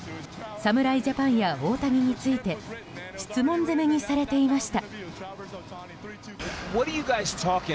侍ジャパンや大谷について質問攻めにされていました。